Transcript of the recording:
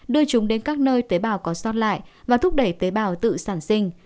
đưa chúng đến các nơi tế bào có xót lại và thúc đẩy tế bào tự sản sinh